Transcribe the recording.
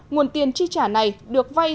nguồn tiền tri trả này được vay